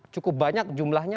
cukup banyak jumlahnya